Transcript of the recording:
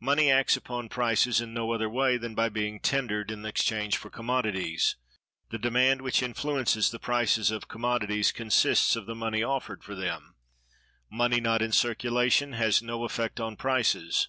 Money acts upon prices in no other way than by being tendered in exchange for commodities. The demand which influences the prices of commodities consists of the money offered for them. Money not in circulation has no effect on prices.